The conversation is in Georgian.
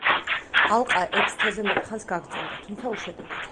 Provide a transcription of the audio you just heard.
ალყა ექვს თვეზე მეტ ხანს გაგრძელდა, თუმცა უშედეგოდ.